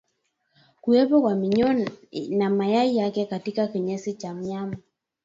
Kuwepo kwa minyoo na mayai yake katika kinyesi cha mnyama